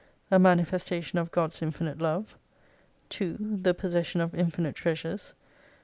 A manifestation of God's infinite love. 2. The possession of infinite treasures.